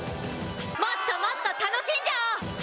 もっともっと楽しんじゃおう！